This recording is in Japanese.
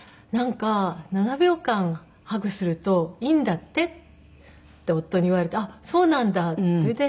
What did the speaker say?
なんか７秒間ハグするといいんだってって夫に言われてあっそうなんだって。